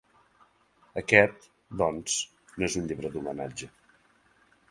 Aquest, doncs, no és un llibre d’homenatge.